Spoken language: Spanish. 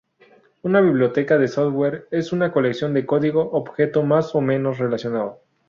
Una biblioteca de software es una colección de código objeto más o menos relacionado.